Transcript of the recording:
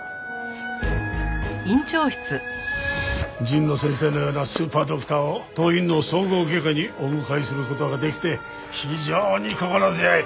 神野先生のようなスーパードクターを当院の総合外科にお迎えする事ができて非常に心強い。